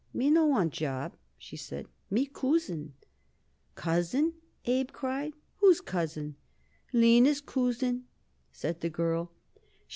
"Me no want job," she said. "Me coosin." "Cousin!" Abe cried. "Whose cousin?" "Lina's coosin," said the girl.